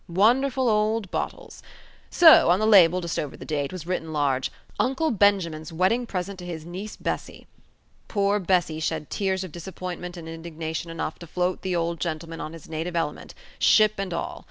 Wonderful old bottles! So, on the label, just over the date, was written large: UNCLE BENJAMIN'S WEDDING PRESENT TO HIS NIECE BESSY. Poor Bessy shed tears of disappointment and indignation enough to float the old gentleman on his native element, ship and all.